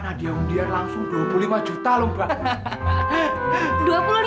ini kita tanda tangan sebagai buku